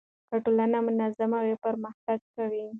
که ټولنه منظمه وي پرمختګ کوي.